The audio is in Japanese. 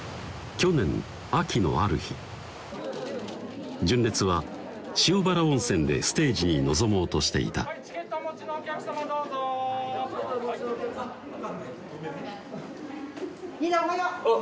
去年秋のある日「純烈」は塩原温泉でステージに臨もうとしていたあっ